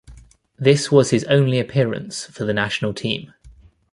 This was his only appearance for the national team.